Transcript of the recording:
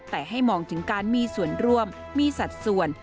แต่ให้มองถึงการมีส่วนร่วมมีสัดส่วน